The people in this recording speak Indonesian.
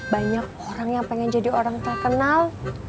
banyak orang yang pengen jadi orang terkenal